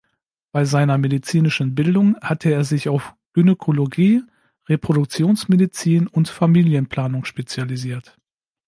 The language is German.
Bei seiner medizinischen Bildung hatte er sich auf Gynäkologie, Reproduktionsmedizin und Familienplanung spezialisiert.